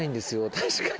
確かに。